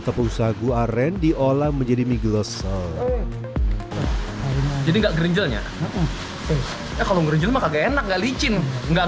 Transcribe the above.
tepung sagu aren diolah menjadi mie glosor jadi enggak gerinjalnya kalau enggak enak gak licin enggak